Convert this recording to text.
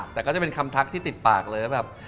แต่ก็จะเป็นคำทักที่ติดปากเลยว่าแบบ